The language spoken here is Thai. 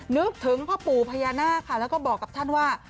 นึกถึงพ่อปู่พญานาคค่ะแล้วก็บอกกับท่านว่า